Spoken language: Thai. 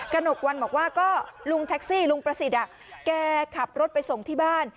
หนกวันบอกว่าก็ลุงแท็กซี่ลุงประสิทธิ์แกขับรถไปส่งที่บ้าน